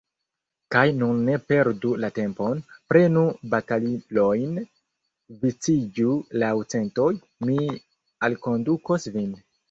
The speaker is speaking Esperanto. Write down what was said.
Kaj nun ne perdu la tempon, prenu batalilojn, viciĝu laŭ centoj, mi alkondukos vin!